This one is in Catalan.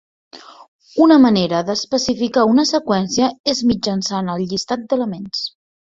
Una manera d'especificar una seqüència és mitjançant el llistat d'elements.